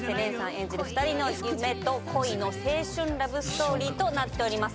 演じる２人の夢と恋の青春ラブストーリーとなっております